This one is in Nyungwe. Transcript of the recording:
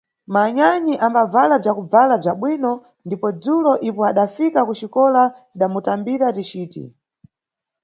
Manyanyi ambabvala bzakubvala bza bwino ndipo dzulo ipo adafika kuxikola tidamutambira ticiti.